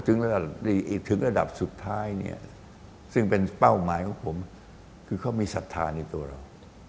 ถึงระดับสุดท้ายเนี่ยซึ่งเป็นเป้าหมายของผมคือเขามีศรัทธาในตัวเรา